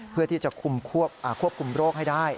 เพื่อที่จะควบคุมโรคให้ได้